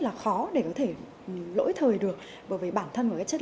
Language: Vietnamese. là khó để có thể lỗi thời được bởi vì bản thân và cái chất